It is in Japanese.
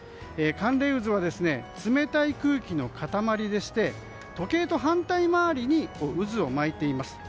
寒冷渦は、冷たい空気の塊でして時計と反対周りに渦を巻いています。